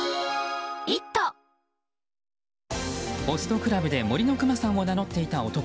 ホストクラブで森のくまさんを名乗っていた男。